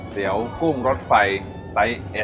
เดี๋ยวกุ้มรถไฟไตเอส